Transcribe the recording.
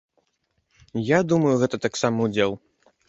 Я думаю, гэта таксама ўдзел.